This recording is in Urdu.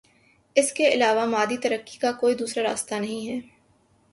اس کے علاوہ مادی ترقی کا کوئی دوسرا راستہ نہیں ہے۔